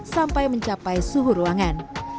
sampai mencapai suhu ruangan